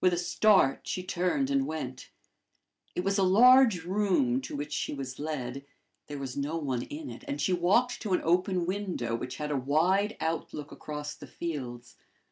With a start, she turned and went. It was a large room to which she was led. There was no one in it, and she walked to an open window, which had a wide outlook across the fields.